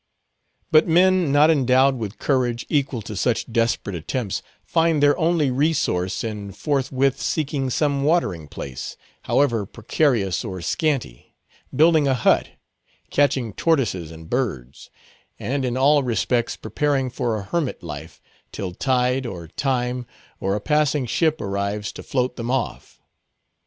But men, not endowed with courage equal to such desperate attempts, find their only resource in forthwith seeking some watering place, however precarious or scanty; building a hut; catching tortoises and birds; and in all respects preparing for a hermit life, till tide or time, or a passing ship arrives to float them off.